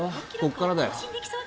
ここからだよ